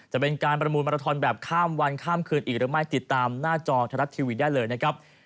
จะเป็นการประมูลมาราทอนแบบข้ามวันข้ามคืนอีกหรือไม่ติดตามหน้าจอไทยรัฐทีวีได้เลยนะครับ